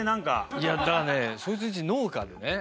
いやだからねそいつんち農家でね